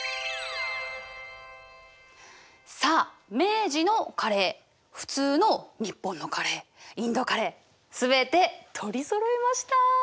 さあ明治のカレー普通の日本のカレーインドカレー全て取りそろえました。